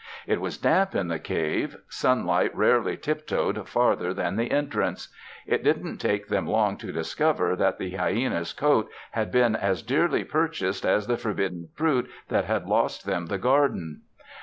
It was damp in the cave; sunlight rarely tiptoed farther than the entrance. It didn't take them long to discover that the hyena's coat had been as dearly purchased as the forbidden fruit that had lost them the garden.